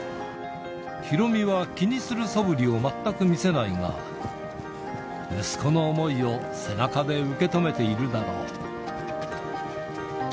ヒロミは気にするそぶりを全く見せないが、息子の思いを背中で受け止めているだろう。